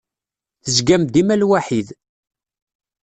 Tezgam dima lwaḥid.